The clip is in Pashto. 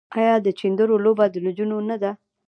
آیا د چيندرو لوبه د نجونو نه ده؟